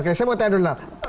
oke saya mau tanya dulu